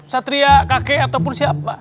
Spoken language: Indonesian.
satria kakek ataupun siapa